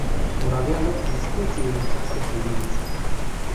Vor avea loc discuții în această privință.